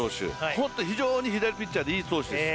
本当に左ピッチャーでいい投手です。